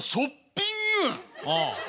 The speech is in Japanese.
ああ。